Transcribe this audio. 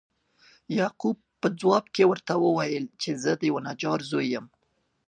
یعقوب په جواب کې ورته وویل چې زه د یوه نجار زوی یم.